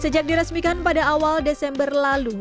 sejak di resmikan pada awal desember lalu